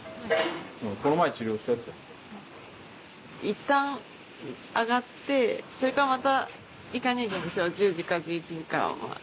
いったん上がってそれからまた行かにゃいけんでしょう１０時か１１時を。